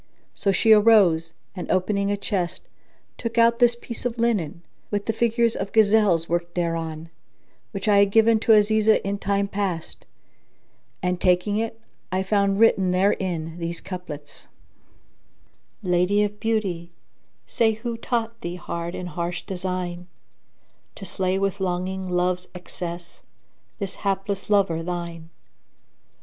So she arose, and opening a chest, took out this piece of linen, with the figures of gazelles worked thereon, which I had given to Azizah in time past; and taking it I found written therein these couplets, "Lady of beauty, say, who taught thee hard and harsh design, * To slay with longing Love's excess this hapless lover thine?